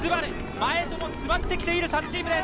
前とも詰まってきている３チームです。